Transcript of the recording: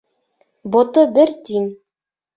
Бото бер тин.